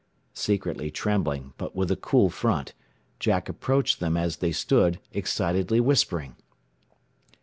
Secretly trembling, but with a cool front, Jack approached them as they stood, excitedly whispering.